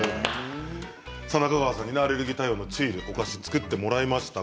中川さんにアレルギー対応のチュイルというお菓子を作ってもらいました。